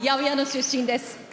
私は八百屋の出身です。